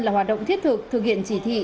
là hoạt động thiết thực thực hiện chỉ thị